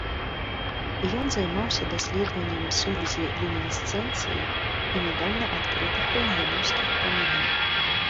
Ён займаўся даследаваннем сувязі люмінесцэнцыі і нядаўна адкрытых рэнтгенаўскіх прамянёў.